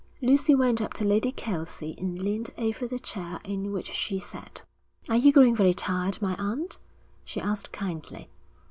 Lucy went up to Lady Kelsey and leaned over the chair in which she sat. 'Are you growing very tired, my aunt?' she asked kindly.